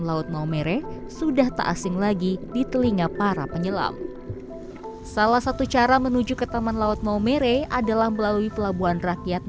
nah untuk perjalanan ke sana itu membutuhkan kurang lebih satu jam perjalanan